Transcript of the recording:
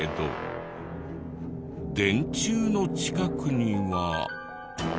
電柱の近くには。